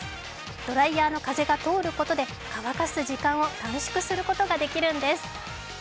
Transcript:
ドライヤーの風が通ることで乾かす時間を短縮することができるんです。